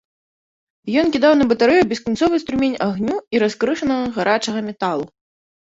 Ён кідаў на батарэю бесканцовы струмень агню і раскрышанага гарачага металу.